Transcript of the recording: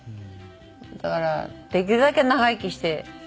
だからできるだけ長生きして健康で。